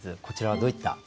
こちらはどういった？